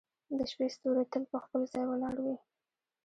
• د شپې ستوري تل په خپل ځای ولاړ وي.